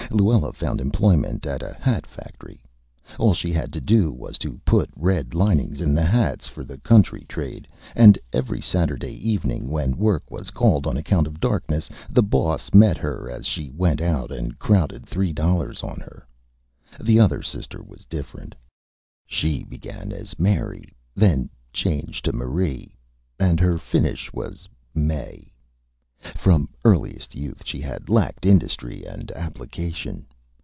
Luella found Employment at a Hat Factory. All she had to do was to put Red Linings in Hats for the Country Trade; and every Saturday Evening, when Work was called on account of Darkness, the Boss met her as she went out and crowded three Dollars on her. The other Sister was Different. She began as Mary, then changed to Marie, and her Finish was Mae. From earliest Youth she had lacked Industry and Application.